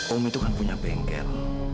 om itu kan punya bengkel